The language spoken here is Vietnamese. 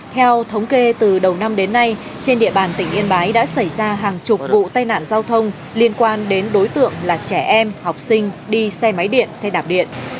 theo thống kê từ đầu năm đến nay trên địa bàn tỉnh yên bái đã xảy ra hàng chục vụ tai nạn giao thông liên quan đến đối tượng là trẻ em học sinh đi xe máy điện xe đạp điện